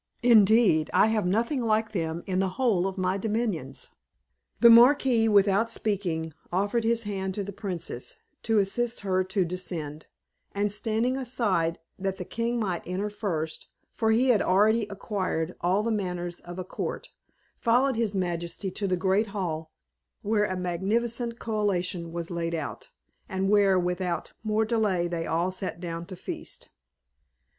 Indeed, I have nothing like them in the whole of my dominions." The Marquis, without speaking, offered his hand to the princess to assist her to descend, and, standing aside that the king might enter first for he had already acquired all the manners of a court followed his majesty to the great hall, where a magnificent collation was laid out, and where, without more delay, they all sat down to feast.